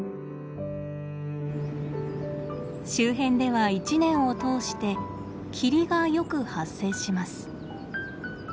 周辺では１年を通して霧がよく発生します。